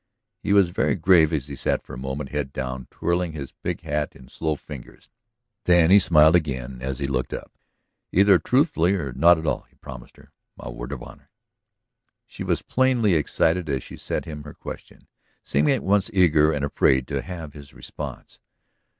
He was very grave as he sat for a moment, head down, twirling his big hat in slow fingers. Then he smiled again as he looked up. "Either truthfully or not at all," he promised her. "My word of honor." She was plainly excited as she set him her question, seeming at once eager and afraid to have his response.